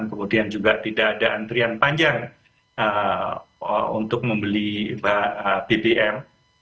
kemudian juga tidak ada antrian panjang untuk membeli bbm